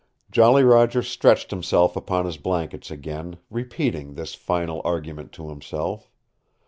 Jolly Roger stretched himself upon his blankets again, repeating this final argument to himself.